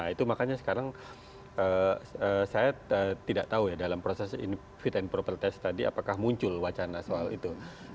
itu makanya sekarang saya tidak tahu ya dalam proses fit and proper test tadi apakah muncul wacana soal itu